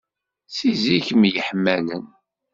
Si zik i myeḥmalen.